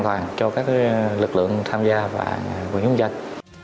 lực lượng tham gia và quyền hướng dành